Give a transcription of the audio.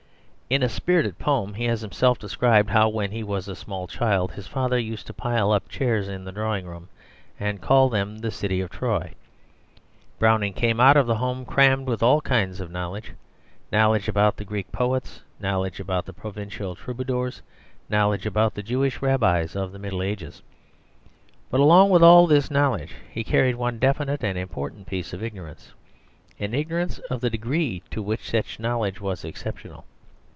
In a spirited poem he has himself described how, when he was a small child, his father used to pile up chairs in the drawing room and call them the city of Troy. Browning came out of the home crammed with all kinds of knowledge knowledge about the Greek poets, knowledge about the Provençal Troubadours, knowledge about the Jewish Rabbis of the Middle Ages. But along with all this knowledge he carried one definite and important piece of ignorance, an ignorance of the degree to which such knowledge was exceptional.